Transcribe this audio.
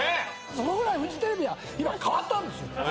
そのぐらいフジテレビは今変わったんですよ！